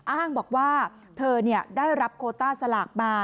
อ้างบอกว่าเธอได้รับโคต้าสลากมา